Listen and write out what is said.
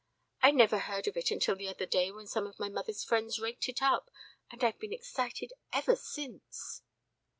I never heard of it until the other day when some of mother's friends raked it up, and I've been excited ever since."